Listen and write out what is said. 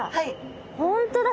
本当だ